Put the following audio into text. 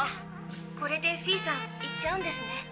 これでフィーさん行っちゃうんですね。